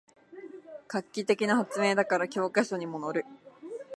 画期的な発明だから教科書にものる